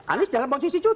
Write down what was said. anis dalam posisi